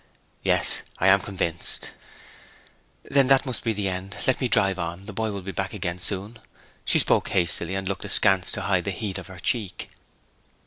'Yes; I am convinced.' 'Then that must be the end. Let me drive on; the boy will be back again soon.' She spoke hastily, and looked askance to hide the heat of her cheek.